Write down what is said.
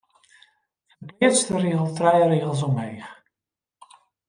Ferpleats de rigel trije rigels omheech.